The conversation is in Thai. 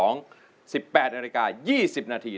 ๑๘นาฬิกา๒๐นาที